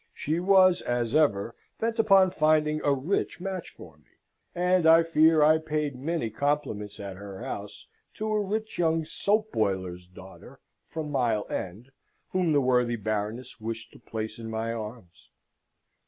She was, as ever, bent upon finding a rich match for me: and I fear I paid many compliments at her house to a rich young soap boiler's daughter from Mile End, whom the worthy Baroness wished to place in my arms.